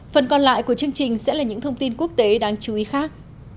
phần còn lại của chương trình sẽ là những thông tin quốc tế đáng chú ý khác